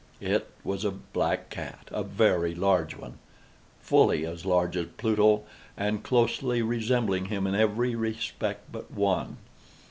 It was a black cat—a very large one—fully as large as Pluto, and closely resembling him in every respect but one.